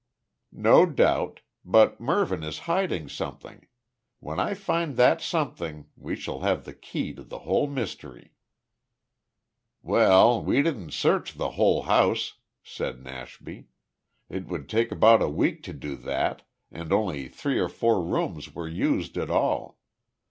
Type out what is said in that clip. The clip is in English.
"No doubt. But Mervyn is hiding something. When I find that something we shall have the key to the whole mystery." "Well, we didn't search the whole house," said Nashby. "It would take about a week to do that, and only three or four rooms were used at all.